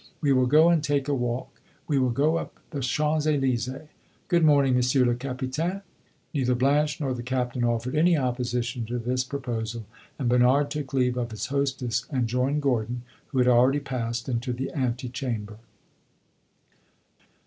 We will go and take a walk; we will go up the Champs Elysees. Good morning, Monsieur le Capitaine." Neither Blanche nor the Captain offered any opposition to this proposal, and Bernard took leave of his hostess and joined Gordon, who had already passed into the antechamber.